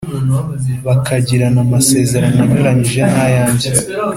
bakagirana amasezerano anyuranyije n’ayanjye,